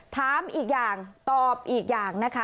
ถามอีกอย่างตอบอีกอย่างนะคะ